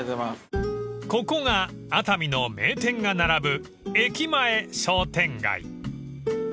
［ここが熱海の名店が並ぶ駅前商店街］